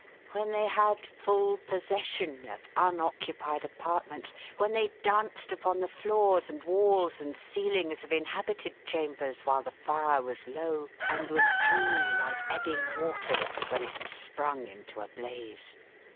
When they had full possession of unoccupied apartments. 422 THE HAUNTED MAN. When they danced upon the floors, and walls, and ceilings of inhabited chambers, while the fire was low, and withdrew like ebbing waters when it sprung into a blaze.